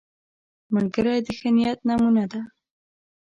ملګری د ښه نیت نمونه ده